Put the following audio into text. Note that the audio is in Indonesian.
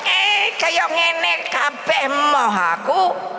eh kayak ngenek kakek moh aku